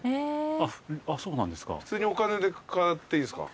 あっそうなんですか。